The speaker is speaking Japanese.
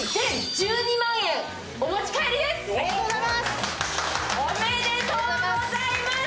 １２万円お持ち帰りです。